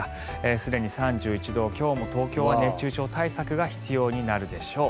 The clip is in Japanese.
すでに３１度今日も東京は熱中症対策が必要になるでしょう。